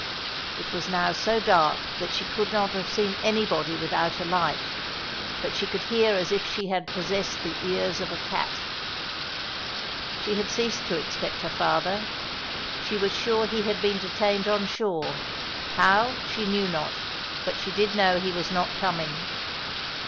It was now so dark that she could not have seen anybody without a light, but she could hear as if she had possessed the ears of a cat. She had ceased to expect her father. She was sure he had been detained on shore; how, she knew not. But she did know he was not coming.